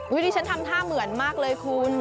อุ้ยนี่ฉันทำท่าเหมือนมากเลยคุณ